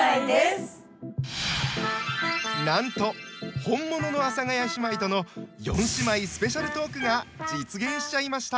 なんと本物の阿佐ヶ谷姉妹との四姉妹スペシャルトークが実現しちゃいました。